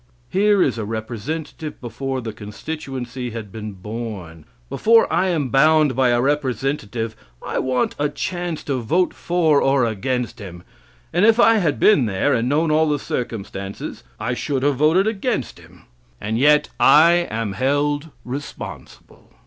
Here is a representative before the constituency had been born. Before I am bound by a representative, I want a chance to vote for or against him; and if I had been there, and known all the circumstances, I should have voted against him. And yet, I am held responsible.